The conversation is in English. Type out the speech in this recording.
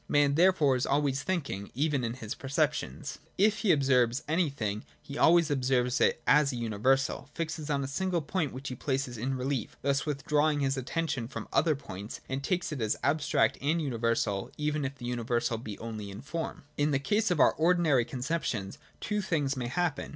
Man, therefore, is always thinking, even in his perceptions: if he observes anything, he always observes it as a universal, fixes on a single point which he places in rehef, thus withdrawing his attention from other points, and takes it as abstract and uni versal, even if the universality be only in form. In the case of our ordinary conceptions, two things may happen.